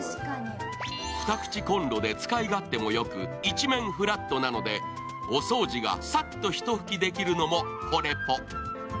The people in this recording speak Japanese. ２口こんろで使い勝手もよく、一面フラットなのでお掃除がさっと一拭きできるのもホレポ。